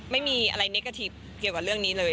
ไม่มีอะไรเนกะทิฟเกี่ยวกับเรื่องนี้เลย